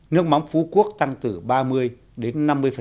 nước mắm phú quốc tăng từ ba mươi đến năm mươi